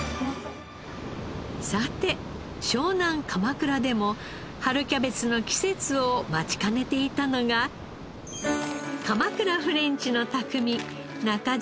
さて湘南鎌倉でも春キャベツの季節を待ちかねていたのが鎌倉フレンチの匠中嶋秀之シェフ。